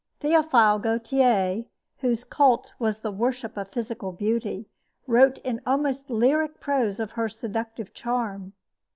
Theophile Gautier, whose cult was the worship of physical beauty, wrote in almost lyric prose of her seductive charm.